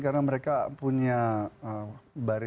karena mereka punya barisan